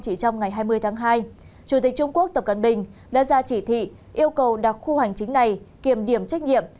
chỉ trong ngày hai mươi tháng hai chủ tịch trung quốc tập cận bình đã ra chỉ thị yêu cầu đặc khu hành chính này kiềm điểm trách nhiệm